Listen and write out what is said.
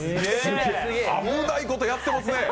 危ないことやってますね！